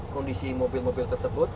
kondisi mobil mobil tersebut